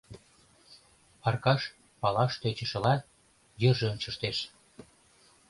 Аркаш палаш тӧчышыла йырже ончыштеш.